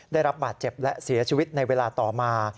ได้รับบาดเจ็บและเสียชีวิตในเวลาต่อมา